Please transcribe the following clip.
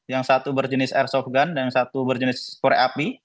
yang satu berjenis airsoft gun dan satu berjenis kore api